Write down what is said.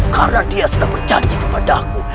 karena dia sudah berjanji kepada aku